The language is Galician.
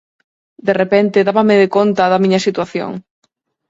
De repente, dábame de conta da miña situación.